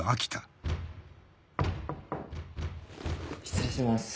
・失礼します